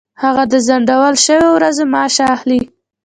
هغه د ځنډول شوو ورځو معاش اخلي.